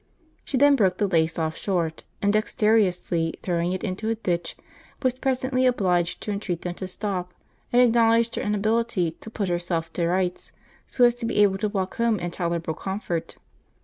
She then broke the lace off short, and dexterously throwing it into a ditch, was presently obliged to entreat them to stop, and acknowledged her inability to put herself to rights so as to be able to walk home in tolerable comfort.